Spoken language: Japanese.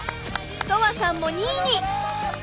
とわさんも２位に！